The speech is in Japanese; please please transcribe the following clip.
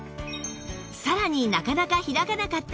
さらになかなか開かなかった開脚